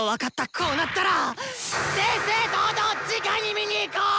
こうなったら正々堂々じかに見に行こう！